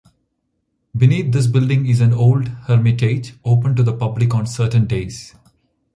Beneath this building is an old hermitage, open to the public on certain days.